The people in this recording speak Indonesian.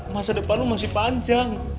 masa depan lo masih panjang